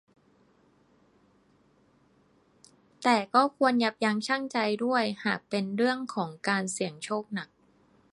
แต่ก็ควรยับยั้งชั่งใจด้วยหากเป็นเรื่องการเสี่ยงโชคหนัก